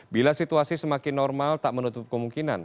bila situasi semakin normal tak menutup kemungkinan